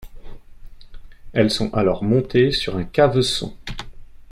Elles sont alors montées sur un caveçon.